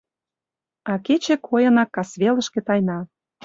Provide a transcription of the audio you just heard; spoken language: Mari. А кече койынак кас велышке тайна.